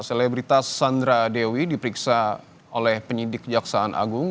selebritas sandra dewi diperiksa oleh penyidik kejaksaan agung